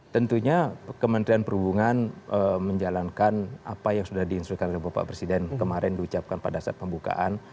tentunya kementerian perhubungan menjalankan apa yang sudah diinstruksikan oleh bapak presiden kemarin diucapkan pada saat pembukaan